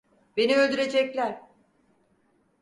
Beni öldürecekler!